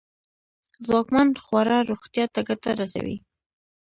ځواکمن خواړه روغتیا ته گټه رسوي.